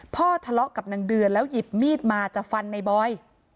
พ่อทะเลาะกับนางเดือนแล้วหยิบมีดมาจะฟันในบอย